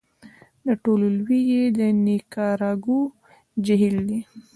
د ټولو لوی یې د نیکاراګو جهیل دی.